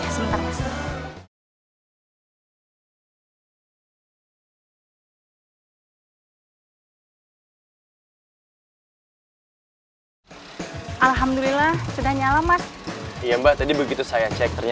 sampai jumpa di video selanjutnya